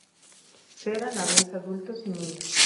Ser a la vez adultos y niños.